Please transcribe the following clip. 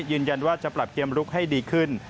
ยืนยันว่าจะปรับเกมลุกให้ดีขึ้น